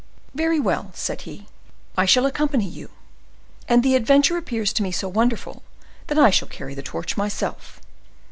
"Very well," said he; "I shall accompany you; and the adventure appears to me so wonderful, that I shall carry the torch myself."